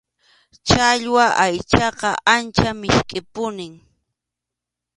Challwa aychaqa ancha miskʼipunim.